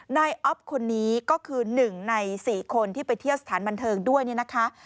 นายอ๊อฟคนนี้ก็คือ๑ใน๔คนที่ไปเที่ยวสถานบันเทิงด้วยเนี่ยนะคะ